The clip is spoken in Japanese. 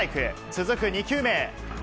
続く２球目。